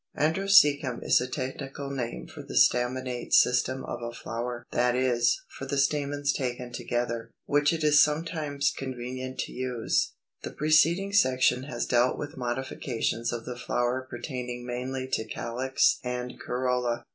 281. =Andrœcium= is a technical name for the staminate system of a flower (that is, for the stamens taken together), which it is sometimes convenient to use. The preceding section has dealt with modifications of the flower pertaining mainly to calyx and corolla.